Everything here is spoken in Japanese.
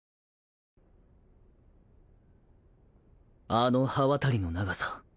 あの刃渡りの長さ